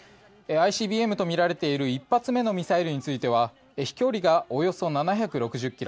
ＩＣＢＭとみられている１発目のミサイルについては飛距離がおよそ７６０ｋｍ